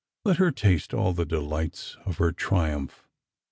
Let her taste all the deUglits of her triumph.